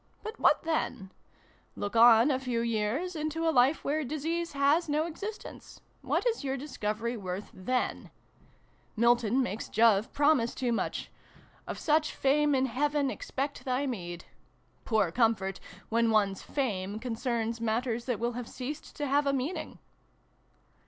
But what then ? Look on, a few years, into a life where disease has no exist ence. What is your discovery worth, then ? Milton makes Jove promise too much. ' Of so much fame in heaven expect thy meed. ' Poor comfort, when one's ' fame ' concerns matters that will have ceased to have a meaning